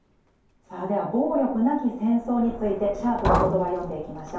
さあでは暴力なき「戦争」についてシャープの言葉読んでいきましょう。